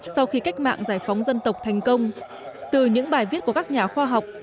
sau khi cách mạng giải phóng dân tộc thành công từ những bài viết của các nhà khoa học